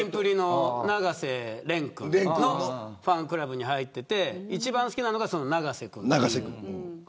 キンプリの永瀬廉君のファンクラブに入っていて一番好きなのがその永瀬君。